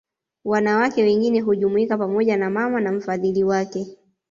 Wanawake wengine hujumuika pamoja na mama na mfadhili wake